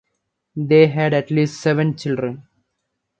They had at least seven children.